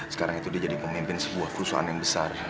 sekarang itu dia jadi pemimpin sebuah perusahaan yang besar